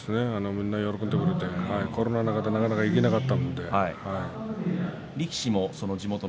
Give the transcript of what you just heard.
みんな喜んでくれてコロナ禍でなかなか行けなかったということで。